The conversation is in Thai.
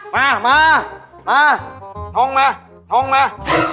มามาทงมาทงมา